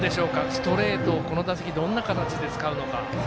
ストレートをこの打席どんなふうに使うのか。